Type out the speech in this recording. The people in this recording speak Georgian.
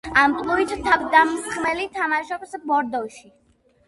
ამპლუით თავდამსხმელი, თამაშობს ბორდოში.